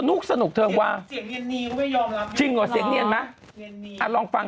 ดูเรียนปิดเทิมเราก็ต้องเคลียร์งานออนไลน์